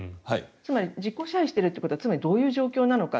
つまり、実効支配しているということはどういう状況なのか。